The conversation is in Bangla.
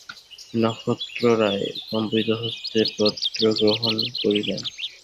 নক্ষত্ররায় কম্পিত হস্তে পত্র গ্রহণ করিলেন।